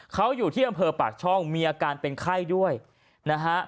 เขาอยู่ที่อำเภอปากช่องมีอาการเป็นไข้ด้วยนะฮะ